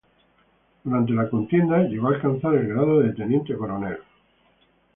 Durante la contienda llegó a alcanzar el grado de teniente coronel.